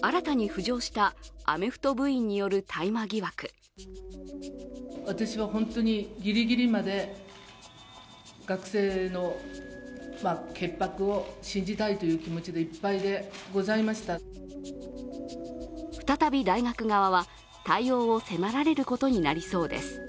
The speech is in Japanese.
新たに浮上したアメフト部員による大麻疑惑再び大学側は対応を迫られることになりそうです。